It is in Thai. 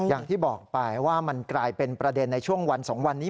อย่างที่บอกไปว่ามันกลายเป็นประเด็นในช่วงวัน๒วันนี้